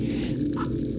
あっ！